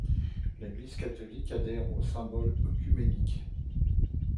L’Église catholique adhère aux symboles œcuméniques.